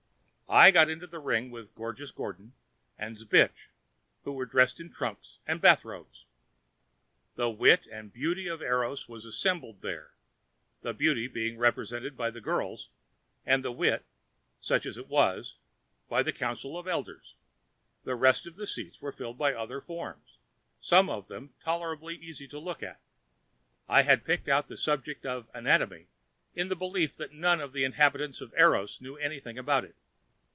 I got into the ring with Gorgeous Gordon and Zbich, who were dressed in trunks and bathrobes. The wit and beauty of Eros was assembled there, the beauty being represented by the girls, and the wit such as it was by the council of elders. The rest of the seats were filled with other forms, some of them tolerably easy to look at. I had picked out the subject of anatomy in the belief that none of the inhabitants of Eros knew anything about it.